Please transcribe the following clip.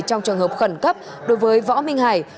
trong trường hợp khẩn cấp đối với võ minh hải